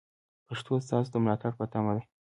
پښتو ستاسو د ملاتړ په تمه ده.